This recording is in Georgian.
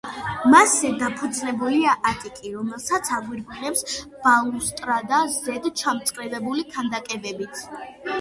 მასზე დაფუძნებულია ატიკი, რომელსაც აგვირგვინებს ბალუსტრადა ზედ ჩამწკრივებული ქანდაკებებით.